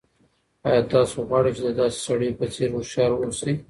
آیا تاسو غواړئ چې د داسې سړیو په څېر هوښیار اوسئ؟